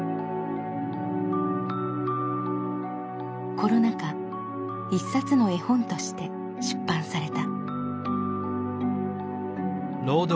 コロナ禍一冊の絵本として出版された。